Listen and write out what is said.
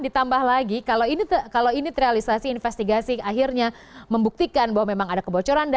ditambah lagi kalau ini terrealisasi investigasi akhirnya membuktikan bahwa memang ada kebocoran